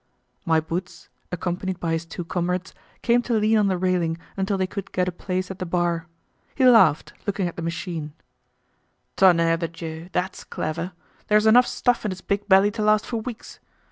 My Boots, accompanied by his two comrades, came to lean on the railing until they could get a place at the bar. He laughed, looking at the machine. Tonnerre de Dieu, that's clever. There's enough stuff in its big belly to last for weeks.